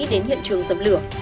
đến hiện trường dập lửa